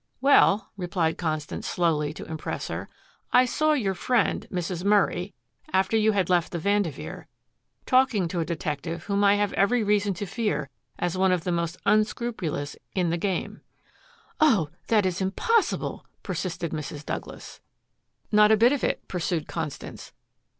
"Well," replied Constance slowly to impress her, "I saw your friend, Mrs. Murray, after you had left the Vanderveer, talking to a detective whom I have every reason to fear as one of the most unscrupulous in the game." "Oh, that is impossible!" persisted Mrs. Douglas. "Not a bit of it," pursued Constance.